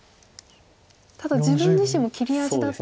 ただ自分自身も切り味だったり。